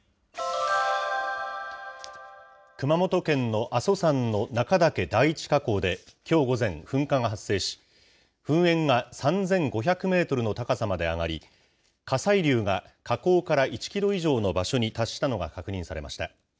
熊本県の阿蘇山の中岳第一火口できょう午前、噴火が発生し、噴煙が３５００メートルの高さまで上がり、火砕流が火口から１キロ以上の場所に達したのが確認されました。